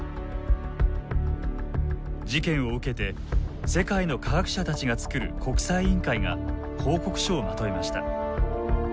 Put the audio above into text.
事件を受けて世界の科学者たちが作る国際委員会が報告書をまとめました。